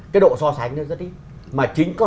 cái độ so sánh nó rất ít mà chính có